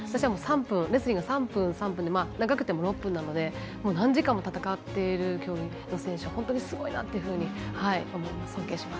レスリングは３分、３分で長くても６分なので、何時間も戦っている競技の選手は本当にすごいなっていうふうに尊敬します。